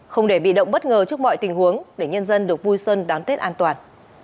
không để bị động bất ngờ trước mọi tình huống để nhân dân được vui xuân đón tết an toàn